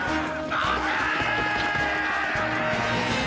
待て！